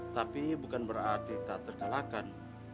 tapi bukan berarti tak terkalahkan